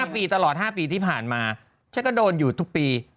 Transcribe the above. ๕ปีตลอด๕ปีที่ผ่านมาฉันก็โดนอยู่ทุกปี